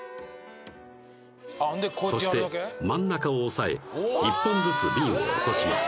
そして真ん中を押さえ１本ずつビンを起こします